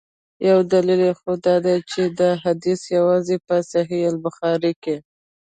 یو دلیل یې خو دا دی چي دا حدیث یوازي په صحیح بخاري کي.